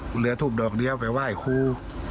คุณเหลือทูบดอกเดียวไปไหว้ครู